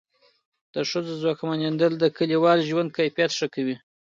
د ښځو ځواکمنېدل د کلیوال ژوند کیفیت ښه کوي.